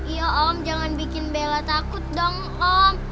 iya om jangan bikin bela takut dong om